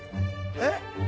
「えっ？」